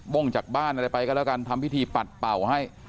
้งจากบ้านอะไรไปก็แล้วกันทำพิธีปัดเป่าให้